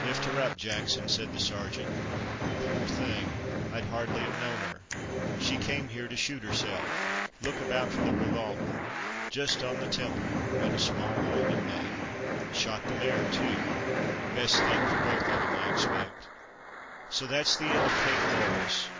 "Lift her up, Jackson!" said the Sergeant; "poor thing! I'd hardly have known her. She came here to shoot herself, look about for the revolver. Just on the temple, what a small hole it made! Shot the mare too! best thing for both of 'em, I expect. So that's the end of Kate Lawless!